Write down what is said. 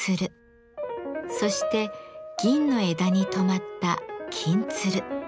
そして銀の枝にとまった「金鶴」。